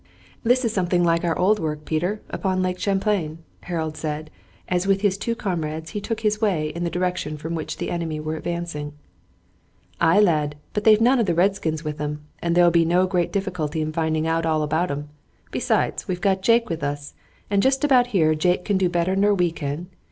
"This is something like our old work, Peter, upon Lake Champlain," Harold said, as with his two comrades he took his way in the direction from which the enemy were advancing. "Ay, lad, but they've none of the redskins with 'em, and there'll be no great difficulty in finding out all about 'em. Besides, we've got Jake with us, and jest about here Jake can do better nor we can.